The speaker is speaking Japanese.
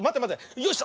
よいしょ！